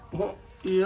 いや。